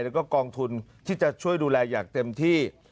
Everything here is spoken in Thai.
แล้วก็กองทุนที่จะช่วยดูแลอย่างเต็มที่